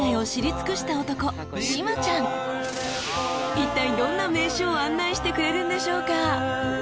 ［いったいどんな名所を案内してくれるんでしょうか？］